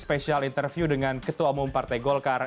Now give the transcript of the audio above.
special interview dengan ketua umum partai golkar